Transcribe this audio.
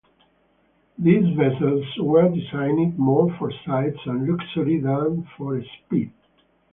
These vessels were designed more for size and luxury than for speed.